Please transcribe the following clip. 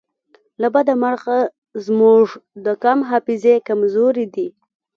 له بده مرغه زموږ د قام حافظې کمزورې دي